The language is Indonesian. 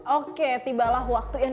oke tibalah waktu yang